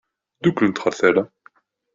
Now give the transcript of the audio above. Dduklent ɣer tala.